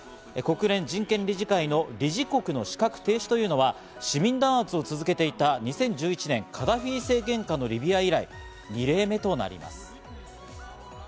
国連人権理事会の理事国の資格停止というのは市民弾圧を続けていた２０１１年、カダフィ政権下のリビア以来、２例目となります。